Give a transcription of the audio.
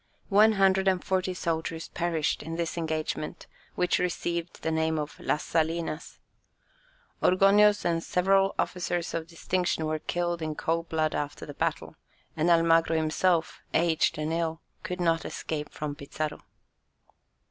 One hundred and forty soldiers perished in this engagement, which received the name of las salinas. Orgoños and several officers of distinction were killed in cold blood after the battle, and Almagro himself, aged and ill, could not escape from Pizarro.